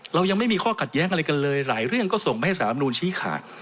เรายังไม่มีข้อขัดแย้งอะไรกันเลยหลายเรื่องก็ส่งไปให้สารมนูลชี้ขาด